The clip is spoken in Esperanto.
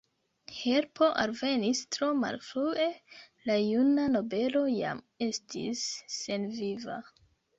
Helpo alvenis tro malfrue; la juna nobelo jam estis senviva.